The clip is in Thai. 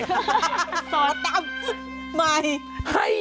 สอนตามใหม่